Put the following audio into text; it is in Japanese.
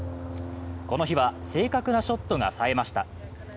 この日は正確なショットがさえました。